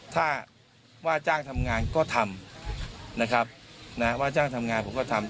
ถ้าว่าจ้างทำงานก็ทำนะครับนะว่าจ้างทำงานผมก็ทำ